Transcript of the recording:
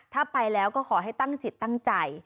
ถ้าไปแล้วก็ขอให้ตั้งจิตตั้งใจ